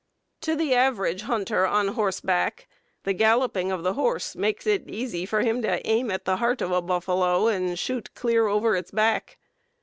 To the average hunter on horseback the galloping of the horse makes it easy for him to aim at the heart of a buffalo and shoot clear over its back.